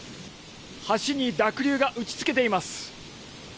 橋に濁流が打ちつけています。